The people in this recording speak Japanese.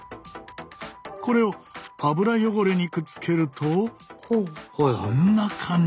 これを油汚れにくっつけるとこんな感じに。